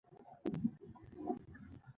هیلن کیلر وایي یووالی ډېر څه کوي.